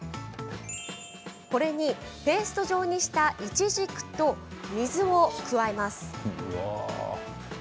これに、ペースト状にしたイチジクと水を加えます。